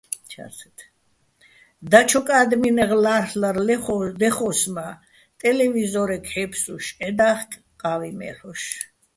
დაჩოკ ა́დმენეღ ლა́რ'ლარ დეხო́ს მა́, ტელევიზო́რეგ ჰ̦ე́ფსუშ ჺედა́ხკ, ყა́ვი მე́ლ'ოშ.